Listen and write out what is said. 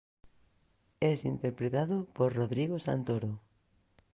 Es interpretado por Rodrigo Santoro.